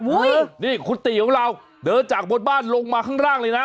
โอ้โหนี่คุณติของเราเดินจากบนบ้านลงมาข้างล่างเลยนะ